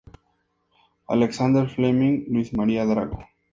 Alexander Fleming, Luis María Drago, Av.